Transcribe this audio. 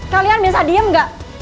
kalian bisa diem gak